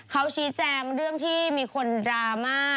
เขาชี้แจงเรื่องที่มีคนดราม่า